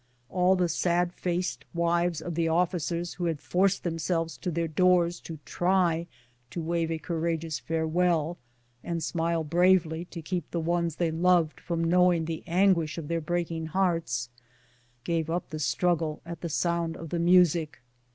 AH the sad faced wives of the officers who liad forced themselves to their doors to try and wave a courageous farewell, and smile bravely to keep the ones they loved from knowing the anguish of their breaking hearts, gave up the struggle at the sound of the music.